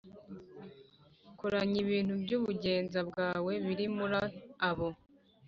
Koranya ibintu by ubugenza bwawe biri muri bo